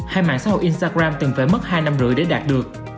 hay mạng xã hội instagram từng phải mất hai năm rưỡi để đạt được